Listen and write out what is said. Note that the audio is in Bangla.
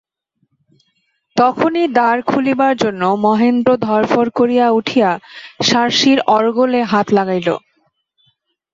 তখনই দ্বার খুলিবার জন্য মহেন্দ্র ধড়ফড় করিয়া উঠিয়া শার্শির অর্গলে হাত লাগাইল।